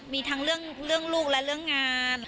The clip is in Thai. มีทั้งเรื่องลูกและเรื่องงาน